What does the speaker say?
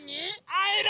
あえる！